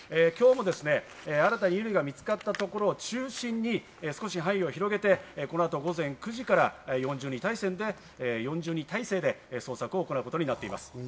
今日も新たに衣類が見つかったところを中心に少し範囲を広げて、このあと午前９時から４０人態勢で捜索を行うことになっています。